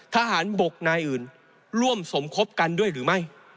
ทหารบกนายอื่นร่วมสมคบกันด้วยหรือไม่